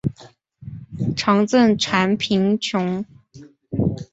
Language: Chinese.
常赈赡贫穷。